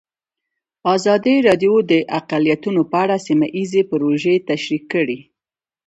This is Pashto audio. ازادي راډیو د اقلیتونه په اړه سیمه ییزې پروژې تشریح کړې.